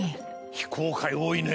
非公開多いね！